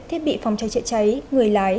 thiết bị phòng chạy chạy cháy người lái